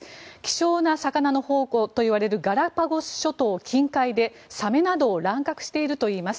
希少な魚の宝庫といわれるガラパゴス諸島近海でサメなどを乱獲しているといいます。